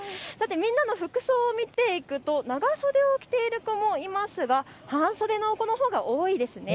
みんなの服装を見ていくと長袖を着ている子もいますが半袖の子のほうが多いですね。